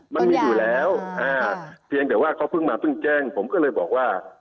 มันมีอยู่แล้วเพียงแต่ว่าเขาเพิ่งมาเพิ่งแจ้งผมก็เลยบอกว่า